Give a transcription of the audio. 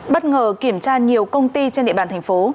bất ngờ kiểm tra nhiều công ty trên địa bàn thành phố